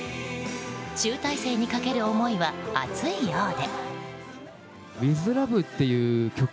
集大成にかける思いは熱いようで。